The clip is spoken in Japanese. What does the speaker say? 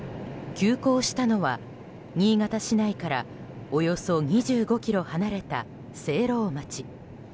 急行したのは新潟市内からおよそ２５ｋｍ離れた聖籠町。